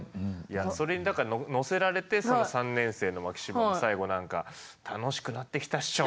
それにだからのせられて３年生の巻島も最後何か「楽しくなってきたっショ！」